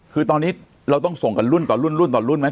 คือตอนนี้เราต้องส่งกันรุ่นต่อรุ่นรุ่นต่อรุ่นไหม